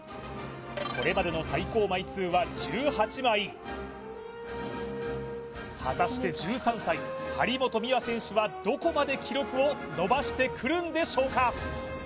これまでの最高枚数は１８枚果たして１３歳張本美和選手はどこまで記録を伸ばしてくるんでしょうか